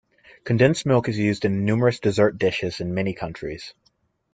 Condensed milk is used in numerous dessert dishes in many countries.